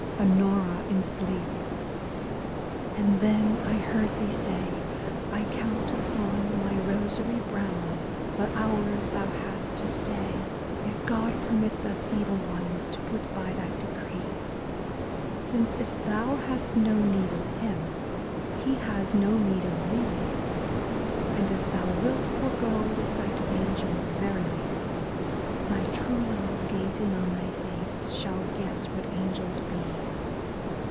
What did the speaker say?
Onorat in sleep : And then I heard thee say, " I count upon my rosary brown the hours thou hast to stay ! Yet God permits us Evil ones to put by that decree. Since if thou hast no need of Him, He has no need of thee — And if thou wilt forgo the sight of angels,* verily Thy true love gazing on thy face, shall guess what angels be.